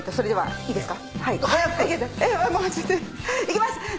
いきます！